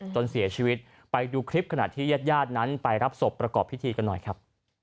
จนเสียชีวิตไปดูคลิปขณะที่ญาติญาตินั้นไปรับศพประกอบพิธีกันหน่อยครับ